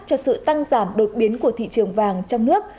cho sự tăng giảm đột biến của thị trường vàng trong nước